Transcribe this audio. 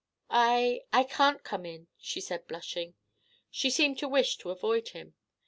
"I I can't come in," she said, blushing. She seemed to wish to avoid him.